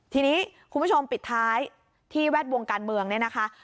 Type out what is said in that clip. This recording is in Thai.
ทีนี้คุณผู้ชมปิดท้ายที่แวดวงการเมืองเนี่ยนะคะ